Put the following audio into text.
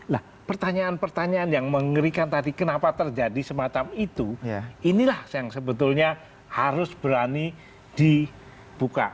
nah pertanyaan pertanyaan yang mengerikan tadi kenapa terjadi semacam itu inilah yang sebetulnya harus berani dibuka